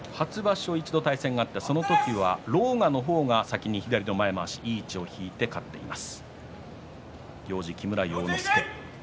初場所で一度対戦があってその時は狼雅方が先に左の前まわしを引いて勝っています。